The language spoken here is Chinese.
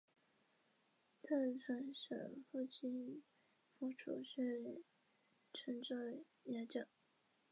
普莱森特加普是一个位于美国阿拉巴马州切罗基县的非建制地区。